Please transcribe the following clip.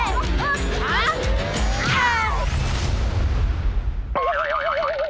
ทาง